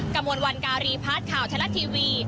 กระมวลวันการีพัฒน์ข่าวทะลัดทีวี